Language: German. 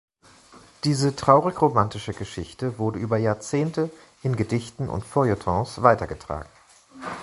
Diese traurig-romantische Geschichte wurde über Jahrzehnte in Gedichten und Feuilletons weiter getragen.